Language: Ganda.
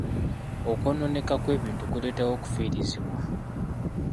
Okwonooneka kw'ebintu kuleetawo okufiirizibwa.